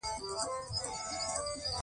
_هېڅ ، هېڅ.